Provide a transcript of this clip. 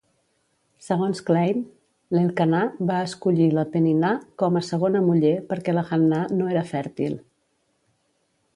Segons Klein, l'Elkanah va escollir la Peninnah com a segona muller perquè la Hannah no era fèrtil.